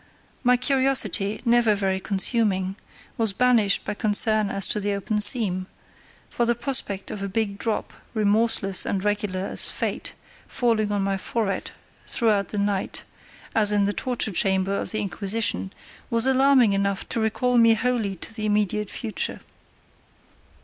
My curiosity, never very consuming, was banished by concern as to the open seam; for the prospect of a big drop, remorseless and regular as Fate, falling on my forehead throughout the night, as in the torture chamber of the Inquisition, was alarming enough to recall me wholly to the immediate future.